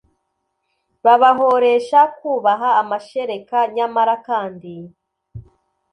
babahoresha kubaha amashereka nyamara kandi